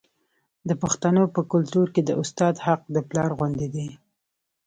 د پښتنو په کلتور کې د استاد حق د پلار غوندې دی.